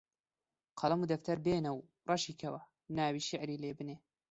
قەڵەم و دەفتەر بێنە و ڕەشی کەوە ناوی شیعری لێ بنێ